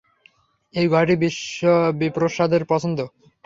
এই ঘরটিই বিপ্রদাসের পছন্দ।